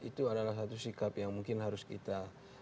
itu adalah satu sikap yang mungkin harus kita